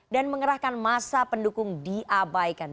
dan mengerahkan masa pendukung diabaikan